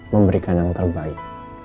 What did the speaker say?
memberikan yang terbaik